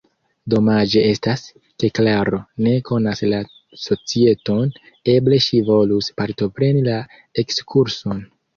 Domaĝe estas, ke Klaro ne konas la societon, eble ŝi volus partopreni la ekskurson.